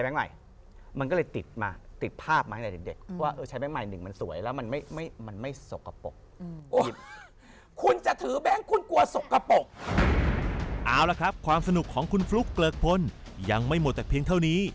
เมื่อก่อนเด็กเราจำกันได้ว่าคุณจะต้องเรียงเลข